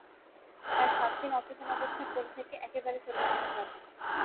প্রায় সাত দিন অচেতন অবস্থায় পড়ে থেকে একেবারে চলে গেলেন রাজীব।